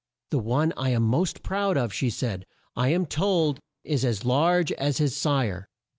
"The one I am most proud of," said she, "I am told is as large as his sire."